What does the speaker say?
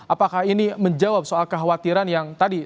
apakah ini menjawab soal kekhawatiran yang tadi